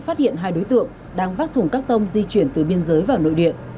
phát hiện hai đối tượng đang vác thùng các tông di chuyển từ biên giới vào nội địa